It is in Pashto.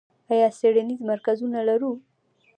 آیا څیړنیز مرکزونه لرو؟